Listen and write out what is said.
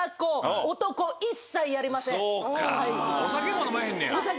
お酒も飲まへんねや。